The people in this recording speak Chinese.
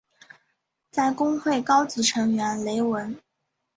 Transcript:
在公会高级成员雷文。